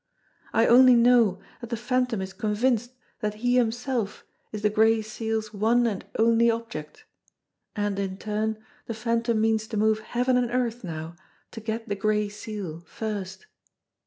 I only know that the Phantom is convinced that he himself is the Gray Seal's one and only object; and, in turn, the Phantom means to move heaven and arth now to get the Gray Seal first.